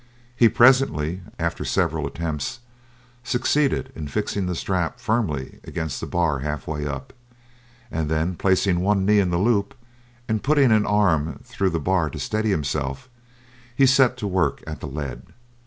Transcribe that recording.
He presently, after several attempts, succeeded in fixing the strap firmly against the bar half way up, and then placing one knee in the loop and putting an arm through the bar to steady himself, he set to work at the lead.